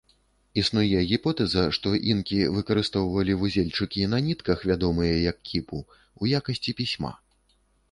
Існуе гіпотэза, што інкі выкарыстоўвалі вузельчыкі на нітках, вядомыя як кіпу, у якасці пісьма.